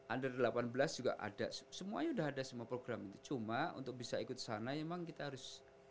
under delapan belas juga ada semuanya udah ada semua program itu cuma untuk bisa ikut sana memang kita harus